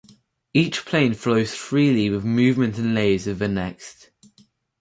Each plane flows freely with movement and layers with the next.